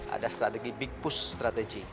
ada strategi big push strategy